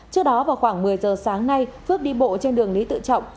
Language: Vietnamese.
trước đó vào khoảng một mươi giờ sáng nay phước đi bộ trên đường lý tự trọng